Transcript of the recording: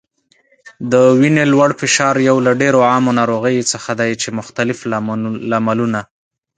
د وینې لوړ فشار یو له ډیرو عامو ناروغیو څخه دی چې مختلف لاملونه